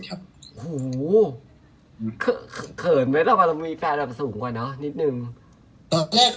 เขิดมั้ยเรามามีแฟนแบบสูงกว่าเนาะนิดนึง